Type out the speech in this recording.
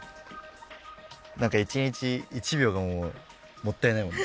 なんか一日一秒がもうもったいないもんね。